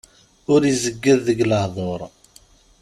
Ur izegged deg lehdur.